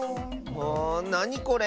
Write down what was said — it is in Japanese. なにこれ？